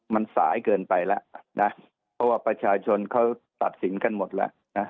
มันสายเกินไปแล้วนะเพราะว่าประชาชนเขาตัดสินกันหมดแล้วนะ